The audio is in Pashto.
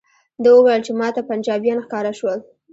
ده وویل چې ماته پنجابیان ښکاره شول.